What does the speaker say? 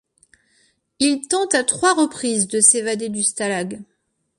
Il tente à trois reprises de s'évader du stalag.